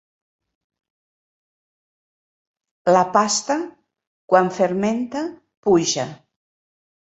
La pasta, quan fermenta, puja.